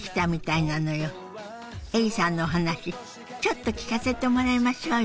エリさんのお話ちょっと聞かせてもらいましょうよ。